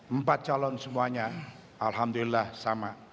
empat calon semuanya alhamdulillah sama